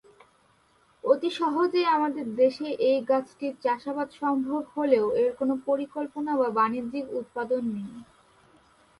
অতি সহজেই আমাদের দেশে এই গাছটির চাষাবাদ সম্ভব হলেও এর কোন পরিকল্পনা বা বাণিজ্যিক উৎপাদন নেই।